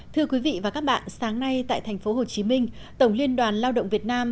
thưa quý vị và các bạn sáng nay tại tp hcm tổng liên đoàn lao động việt nam